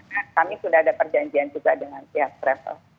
nah kami sudah ada perjanjian juga dengan pihak travel